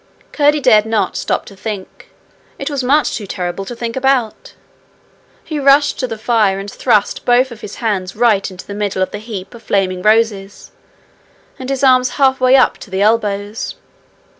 Curdie dared not stop to think. It was much too terrible to think about. He rushed to the fire, and thrust both of his hands right into the middle of the heap of flaming roses, and his arms halfway up to the elbows.